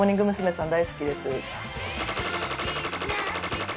さん大好きです。